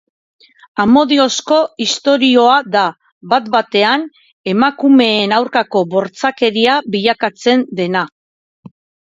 Amodiozko istorioa da, bat-batean emakumeen aurkako bortzakeria bilakatzen dena.